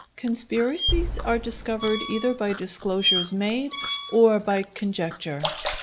Conspiracies are discovered either by disclosures made, or by conjecture.